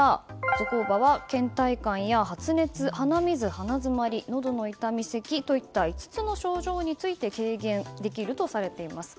ゾコーバは倦怠感や発熱鼻水や鼻づまり、のどの痛みせきといった５つの症状について軽減できるとしています。